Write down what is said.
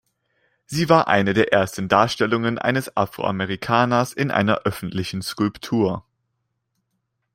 Sie war eine der ersten Darstellungen eines Afroamerikaners in einer öffentlichen Skulptur.